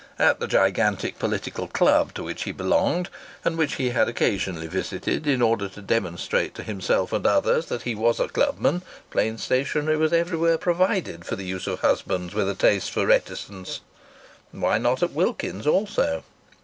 At the gigantic political club to which he belonged, and which he had occasionally visited in order to demonstrate to himself and others that he was a clubman, plain stationery was everywhere provided for the use of husbands with a taste for reticence. Why not at Wilkins's also?